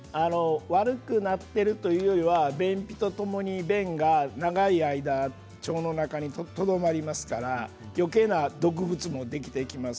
悪くなっているというよりは便秘とともに便が長い間腸の中にとどまりますからよけいな毒物もできてきます。